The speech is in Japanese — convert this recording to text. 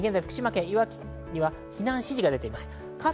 現在福島県いわき市には避難指示が出ています。